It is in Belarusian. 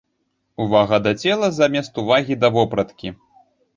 Увага да цела замест увагі да вопраткі.